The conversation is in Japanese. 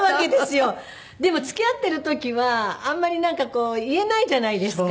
でも付き合ってる時はあんまりなんかこう言えないじゃないですか。